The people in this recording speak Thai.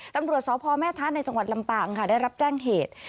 ตำรวจสพแม่ทะในจังหวัดลำปางค่ะได้รับแจ้งเหตุ